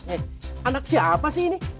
eh anak siapa sih ini